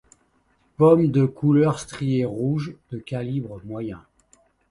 Pomme de couleur striée rouge, de calibre moyen.